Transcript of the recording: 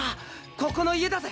ここの家だぜ！